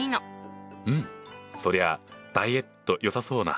うんそりゃあダイエットよさそうな。